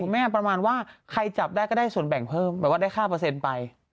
แม่ประมาณว่าใครจับได้ก็ได้ส่วนแบ่งเพิ่มแบบว่าได้ค่าเปอร์เซ็นต์ไป